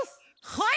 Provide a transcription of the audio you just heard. はい！